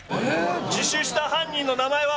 自首した犯人の名前は？